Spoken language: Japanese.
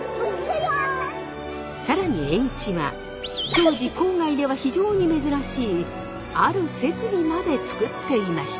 更に栄一は当時郊外では非常に珍しいある設備まで作っていました。